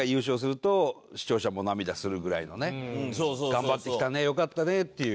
頑張ってきたねよかったねっていう。